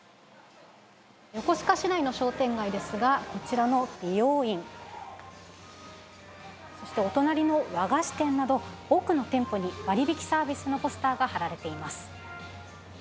横須賀市内の商店街ですが、こちらの美容院、そしてお隣の和菓子店など、多くの店舗に、割引サービスのポスターが貼られています。